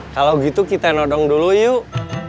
kalau gitu kita nodong dulu yuk